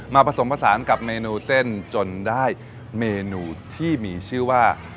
ผสมผสานกับเมนูเส้นจนได้เมนูที่มีชื่อว่า